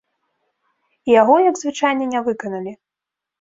І яго, як звычайна, не выканалі.